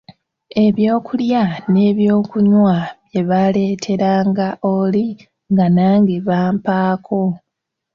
Ebyokulya n'ebyokunywa bye baaleeteranga oli nga nange bampaako.